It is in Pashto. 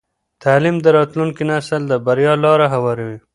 تعلیم د راتلونکي نسل د بریا لاره هواروي.